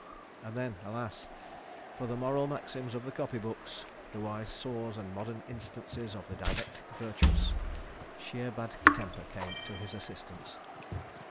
And then—alas! for the moral maxims of the copy books, the wise saws and modern instances of the didactic virtuous—sheer bad temper came to his assistance.